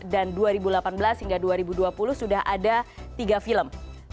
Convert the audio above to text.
dan dua ribu delapan belas hingga dua ribu dua puluh sudah ada tiga film